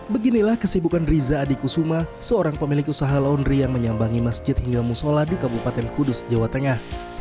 beginilah kesibukan riza adikusuma seorang pemilik usaha laundry yang menyambangi masjid hingga musola di kabupaten kudus jawa tengah